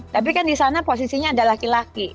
tapi kan di sana posisinya ada laki laki